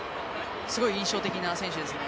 すごい印象的な選手ですね。